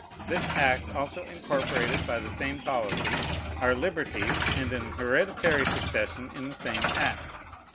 This act also incorporated, by the same policy, our liberties and an hereditary succession in the same act.